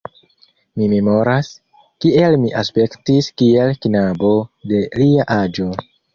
Mi memoras, kiel mi aspektis kiel knabo de lia aĝo.